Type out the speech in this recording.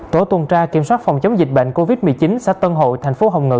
tổ tuần tra kiểm soát phòng chống dịch bệnh covid một mươi chín xã tân hội thành phố hồng ngự